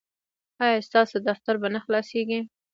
ایا ستاسو دفتر به نه خلاصیږي؟